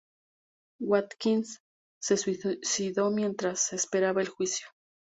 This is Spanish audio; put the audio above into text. Watkins se suicidó mientras esperaba el juicio.